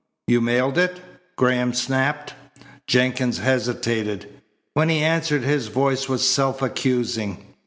"You mailed it?" Graham snapped. Jenkins hesitated. When he answered his voice was self accusing.